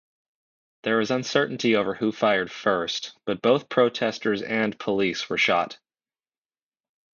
There is uncertainty over who fired first but both protesters and police were shot.